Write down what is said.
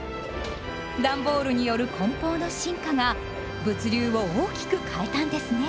ダンボールによる梱包の進化が物流を大きく変えたんですね。